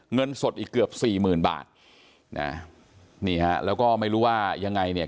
เงินสดอีกเกือบสี่หมื่นบาทนะนี่ฮะแล้วก็ไม่รู้ว่ายังไงเนี่ย